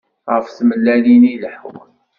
Ɣef tmellalin i leḥun.